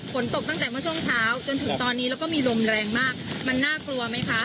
ฝนตกตั้งแต่เมื่อช่วงเช้าจนถึงตอนนี้แล้วก็มีลมแรงมากมันน่ากลัวไหมคะ